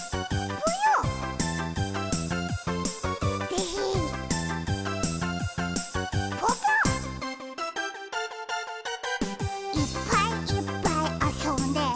ぽぽ「いっぱいいっぱいあそんで」